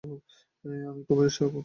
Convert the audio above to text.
আমি সত্যিই খুব ক্লান্ত।